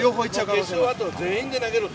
決勝は全員で投げると。